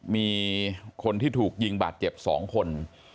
มีคนที่ถูกยิงบาดเจ็บ๒คน